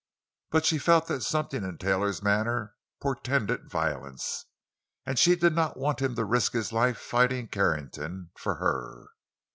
But she felt that something in Taylor's manner portended violence, and she did not want him to risk his life fighting Carrington—for her.